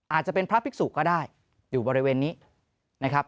อาจจะเป็นพระภิกษุก็ได้อยู่บริเวณนี้นะครับ